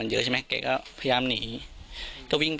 ช่วยเร่งจับตัวคนร้ายให้ได้โดยเร่ง